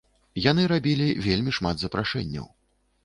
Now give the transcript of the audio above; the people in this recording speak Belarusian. Яны рабілі вельмі шмат запрашэнняў.